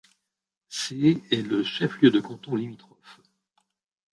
Sées est le chef-lieu de canton limitrophe.